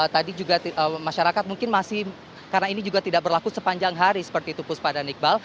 tadi juga masyarakat mungkin masih karena ini juga tidak berlaku sepanjang hari seperti itu puspa dan iqbal